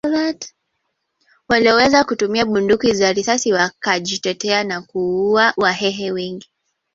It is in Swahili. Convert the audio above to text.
Walioweza kutumia bunduki za risasi wakajitetea na kuua Wahehe wengi